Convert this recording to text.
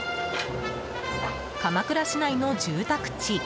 鎌倉市内の住宅地。